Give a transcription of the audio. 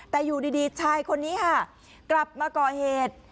แต่อยู่ดีชายคนนี้ค่ะกลับมาก่อเหตุ